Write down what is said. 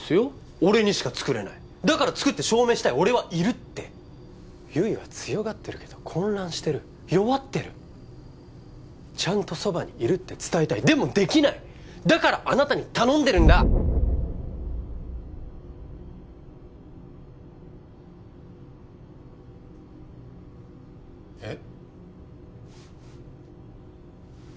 俺にしか作れないだから作って証明したい俺はいるって悠依は強がってるけど混乱してる弱ってるちゃんとそばにいるって伝えたいでもできないだからあなたに頼んでるんだえっ？